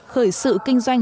khởi sự kinh doanh